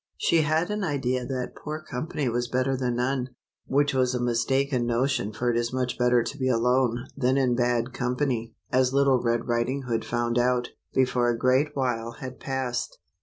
She had an idea that poor company was better than none, which was a mistaken notion, for it is much better to be alone than in bad company, as Little Red Riding Hood found out, before a great while had passed.